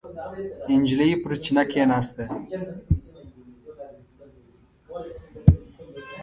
نجلۍ پر چینه کېناسته.